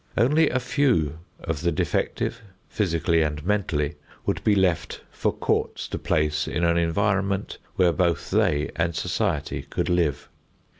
Only a few of the defective, physically and mentally, would be left for courts to place in an environment where both they and society could live.